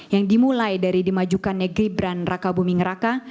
yang dimulai dari dimajukannya gibran raka buming raka